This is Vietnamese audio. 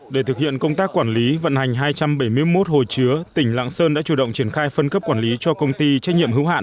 để thực hiện công tác quản lý vận hành hai trăm bảy mươi một hồ chứa tỉnh lạng sơn đã chủ động triển khai phân cấp quản lý cho công ty trách nhiệm hữu hạn